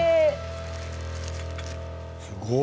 すごい。